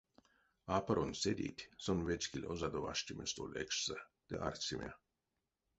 Апаронь седейть сон вечкиль озадо аштеме столь экшсэ ды арсеме.